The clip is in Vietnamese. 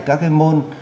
các cái môn